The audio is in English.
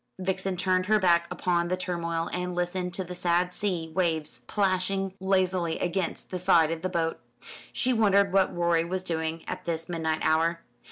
Vixen turned her back upon the turmoil, and listened to the sad sea waves plashing lazily against the side of the boat. She wondered what Rorie was doing at this midnight hour?